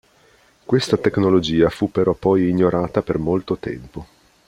Questa tecnologia fu però poi ignorata per molto tempo.